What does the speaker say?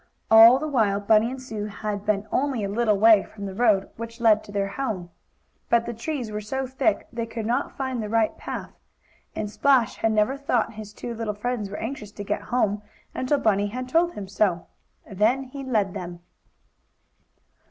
All the while Bunny and Sue had been only a little way from the road which led to their home, but the trees were so thick they could not find the right path. And Splash had never thought his two little friends were anxious to get home, until Bunny had told him so. Then he led them.